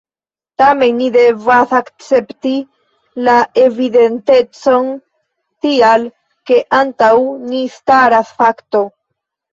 Tamen ni devas akcepti la evidentecon, tial ke antaŭ ni staras fakto.